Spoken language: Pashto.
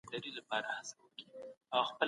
کېدای سي هغه سړی تر تا غوره وي.